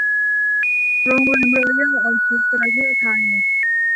โรงแรมรอยัล ออคิด ประเทศไทย